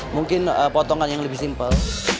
mungkin potongan yang lebih simpel